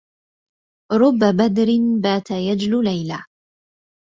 رب بدر بات يجلو ليلة